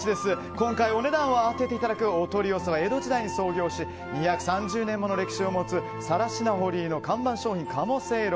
今回お値段を当てていただくお取り寄せは江戸時代に創業し２３０年もの歴史を持つ更科堀井の看板商品、鴨せいろ。